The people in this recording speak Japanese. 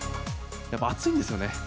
やっぱ、熱いんですよね。